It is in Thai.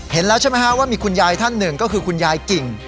แล้วใช่ไหมฮะว่ามีคุณยายท่านหนึ่งก็คือคุณยายกิ่ง